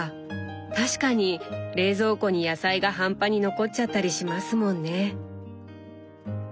確かに冷蔵庫に野菜が半端に残っちゃったりしますもんね。